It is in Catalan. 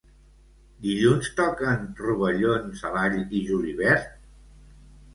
Dilluns toquen rovellons a l'all i julivert?